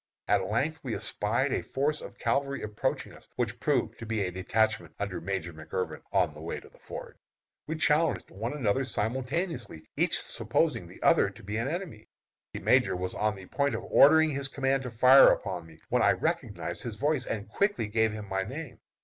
At length we espied a force of cavalry approaching us, which proved to be a detachment under Major McIrvin on their way to the ford. We challenged one another simultaneously, each supposing the other to be an enemy. The major was on the point of ordering his command to fire upon me, when I recognized his voice and quickly gave him my name.